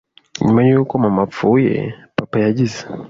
Nyuma yuko mama apfuye, papa yagize